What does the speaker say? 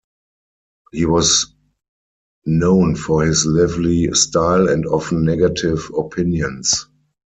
He was known for his lively style and often negative opinions.